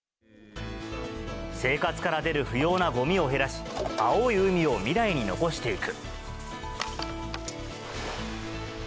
生活から出る不要なごみを減らし、青い海を未来に残していく。